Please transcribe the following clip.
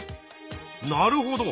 なるほど。